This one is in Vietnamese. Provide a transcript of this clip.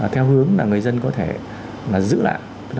theo hướng là người dân có thể giữ lại